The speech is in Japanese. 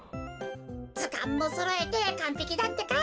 ずかんもそろえてかんぺきだってか。